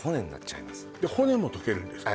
骨も溶けるんですか？